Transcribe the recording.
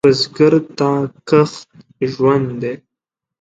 بزګر ته کښت ژوند دی